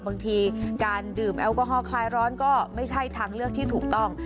บางทีการดื่มแอลกอฮอลคลายร้อนก็ไม่ใช่ทางเลือกที่ถูกต้อง